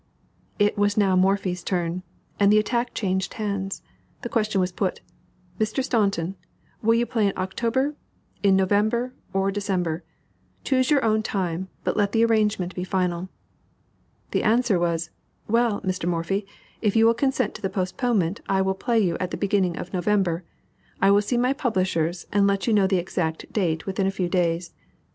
It was now Morphy's turn, and the attack changed hands. The question was put: "Mr. Staunton, will you play in October, in November, or December? Choose your own time, but let the arrangement be final." The answer was: "Well, Mr. Morphy, if you will consent to the postponement, I will play you at the beginning of November. I will see my publishers, and let you know the exact date within a few days."